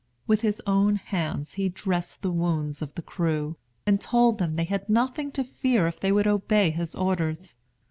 With his own hands he dressed the wounds of the crew, and told them they had nothing to fear if they would obey his orders.